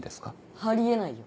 あり得ないよ